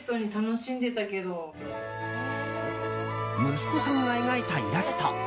息子さんが描いたイラスト。